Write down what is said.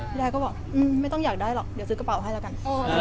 ยายก็บอกไม่ต้องอยากได้หรอกเดี๋ยวซื้อกระเป๋าให้แล้วกัน